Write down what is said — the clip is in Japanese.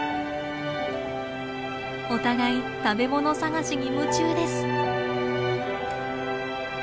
お互い食べもの探しに夢中です。